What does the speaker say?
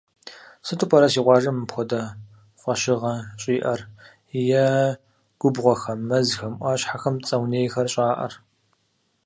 Сыту пӏэрэ си къуажэм мыпхуэдэ фӏэщыгъэ щӏиӏэр е губгъуэхэм, мэзхэм, ӏуащхьэхэм цӏэ унейхэр щӏаӏэр?